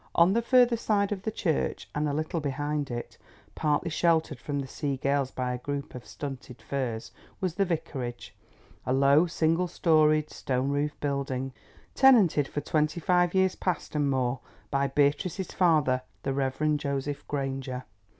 On the further side of the church, and a little behind it, partly sheltered from the sea gales by a group of stunted firs, was the Vicarage, a low single storied stone roofed building, tenanted for twenty five years past and more by Beatrice's father, the Rev. Joseph Granger.